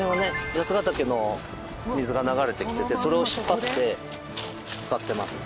八ヶ岳の水が流れてきててそれを引っ張って使ってます。